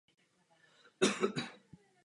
Seznam je rozdělen podle jednotlivých hrobek.